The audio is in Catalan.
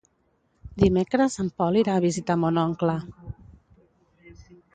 Dimecres en Pol irà a visitar mon oncle.